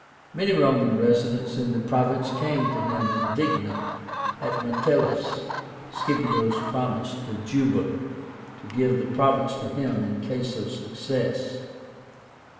Many Roman residents in the province came to him, indignant at Metellus Scipio's promise to Juba to give the province to him in case of success.